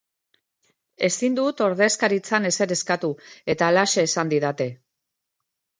Ezin dut ordezkaritzan ezer eskatu eta halaxe esan didate.